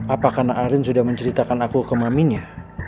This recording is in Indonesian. apakah anak arin sudah menceritakan aku ke maminya